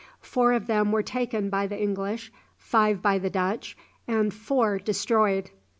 Four of them were taken by the English, five by the Dutch, and four destroyed.